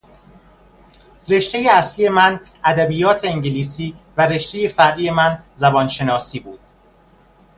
رشتهی اصلی من ادبیات انگلیسی و رشتهی فرعی من زبانشناسی بود.